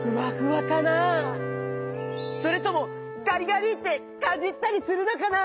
それともガリガリってかじったりするのかな？